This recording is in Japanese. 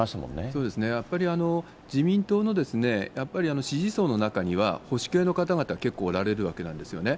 そうですね、やっぱり自民党の、やっぱり支持層の中には保守系の方々、結構おられるわけなんですよね。